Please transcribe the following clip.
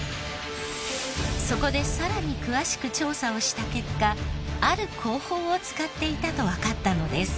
そこでさらに詳しく調査をした結果ある工法を使っていたとわかったのです。